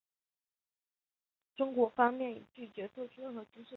中国方面已拒绝做出任何军事承诺帮助驻阿美军和北约部队。